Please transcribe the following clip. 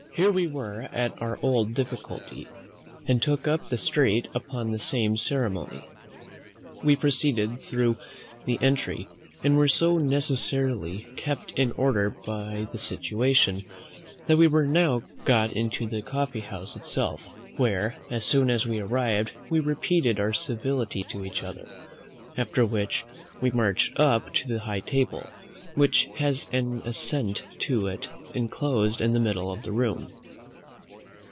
Here we were at our old difficulty, and took up the street upon the same ceremony. We proceeded through the entry, and were so necessarily kept in order by the situation, that we were now got into the coffee house itself, where, as soon as we arrived we repeated our civilities to each other, after which, we marched up to the high table, which has an ascent to it enclosed in the middle of the room.